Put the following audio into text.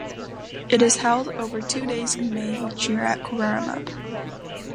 It is held over two days in May each year at Cowaramup.